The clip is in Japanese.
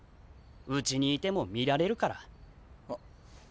うちにいても見られるから。